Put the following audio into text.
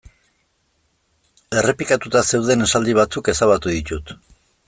Errepikatuta zeuden esaldi batzuk ezabatu ditut.